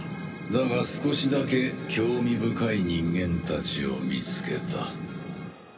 だが少しだけ興味深い人間たちを見つけた。